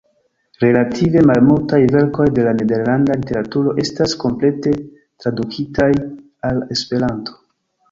Relative malmultaj verkoj de la nederlanda literaturo estas komplete tradukitaj al Esperanto.